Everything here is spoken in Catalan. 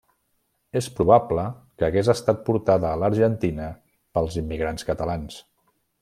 És probable que hagués estat portada a l'Argentina pels immigrants catalans.